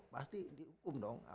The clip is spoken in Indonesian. pasti dihukum dong